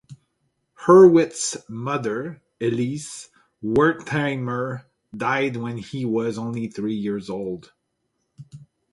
Hurwitz's mother, Elise Wertheimer, died when he was only three years old.